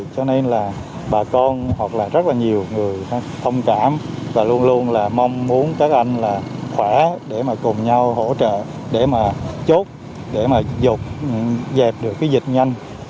cho nên là bà con hoặc là rất là nhiều người thông cảm và luôn luôn là mong muốn các anh là khỏe để mà cùng nhau hỗ trợ để mà chốt để mà dục dẹp được cái dịch nhanh